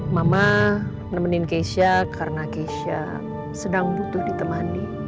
mama nemenin keisha karena keisha sedang butuh ditemani